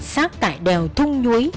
xác tại đèo thung nhuế